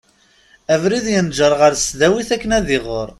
Abrid yenǧer ɣer tesdawit akken ad iɣer.